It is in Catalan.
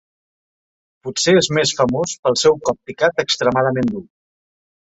Potser és més famós pel seu cop picat extremadament dur.